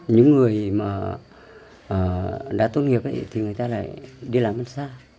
những người mà đã tốt nghiệp thì người ta lại đi làm ăn xa